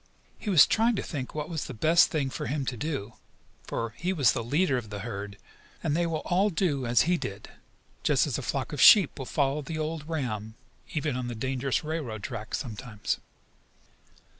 He was trying to think what was the best thing for him to do, for he was the leader of the herd, and they would all do as he did, just as a flock of sheep will follow the old ram, even on the dangerous railroad track sometimes.